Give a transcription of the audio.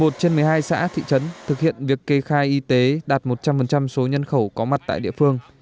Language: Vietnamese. một mươi trên một mươi hai xã thị trấn thực hiện việc kê khai y tế đạt một trăm linh số nhân khẩu có mặt tại địa phương